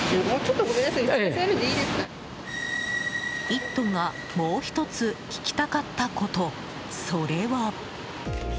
「イット！」がもう１つ聞きたかったことそれは。